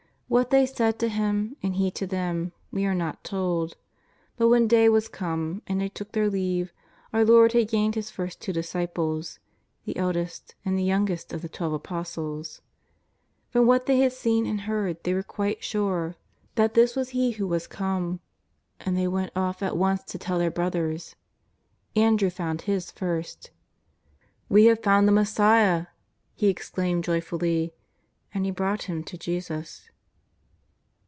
"^Hiat they said to Him and He to them we are not told, but when day was come and they took their leave, our Lord had gained His first two disciples, the oldest and the young est of the Twelve Apostles. From what they had seen and heard they were quite sure that this was He who JESUS OF NAZAKETHc 133 was come, and they went off at once to tell their brothers. Andrew found his first: " We have found the Messiah !" he exclaimed joy fully. And he brought him to Jesus.